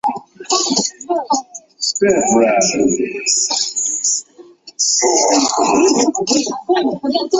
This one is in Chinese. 格罗索山油田是一处位于南亚平宁地区的油田。